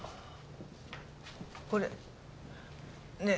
これねえ